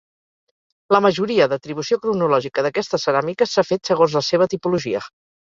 La majoria d'atribució cronològica d'aquestes ceràmiques s'ha fet segons la seva tipologia.